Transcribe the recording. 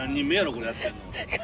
これやってるの。